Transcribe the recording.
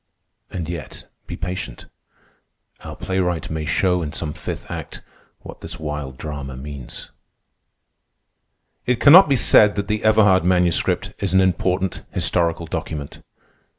And yet be patient. Our Playwright may show In some fifth act what this Wild Drama means." THE IRON HEEL FOREWORD It cannot be said that the Everhard Manuscript is an important historical document.